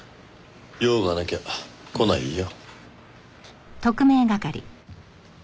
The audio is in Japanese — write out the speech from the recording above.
用がなきゃ来ないよ。